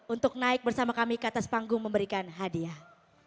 untuk naik bersama kami ke atas panggung memberikan hadiah